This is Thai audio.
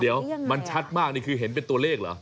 เดี๋ยวมันชัดมากนี่คือเห็นเป็นตัวเลขเหรอ